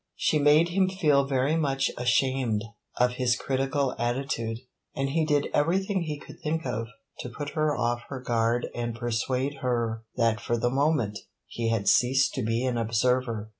She made him feel very much ashamed of his critical attitude, and he did everything he could think of to put her off her guard and persuade her that for the moment he had ceased to be an observer.